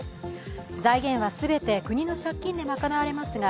財源は全て、国の借金で賄われますが